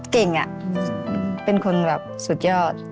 เก่งอะเป็นคนแบบสุดยอด